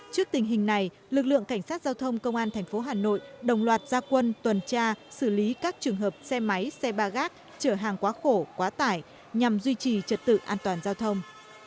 trước tình hình này lực lượng cảnh sát giao thông công an thành phố hà nội đồng loạt gia quân tuần tra xử lý các trường hợp xe máy xe ba gác chở hàng quá khổ quá tải nhằm duy trì trật tự an toàn giao thông